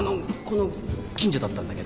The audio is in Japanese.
この近所だったんだけど。